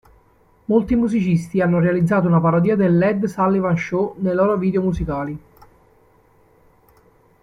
Molti musicisti hanno realizzato una parodia dell"'Ed Sullivan Show" nei loro video musicali.